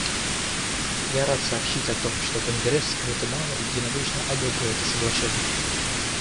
Я рад сообщить о том, что Конгресс Гватемалы единодушно одобрил это Соглашение.